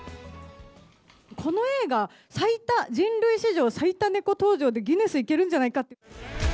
この映画、最多、人類史上最多猫登場で、ギネスいけるんじゃないかって。